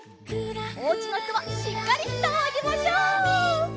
おうちのひとはしっかりひざをあげましょう！